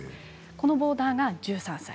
このボーダーが１３歳。